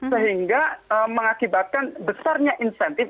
sehingga mengakibatkan besarnya insentif